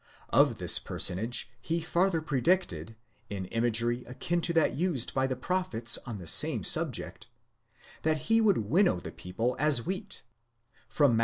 Of this personage he farther predicted, in imagery akin to that used by the prophets on the same subject, that he would winnow the people as wheat (Mal.